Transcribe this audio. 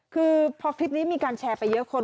คือพอคลิปนี้มีการแชร์ไปเยอะคน